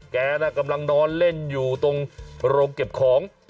แกน่ะกำลังนอนเล่นอยู่ตรงโรงเก็บของ